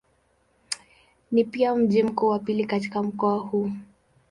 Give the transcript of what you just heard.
Ni pia mji mkubwa wa pili katika mkoa huu.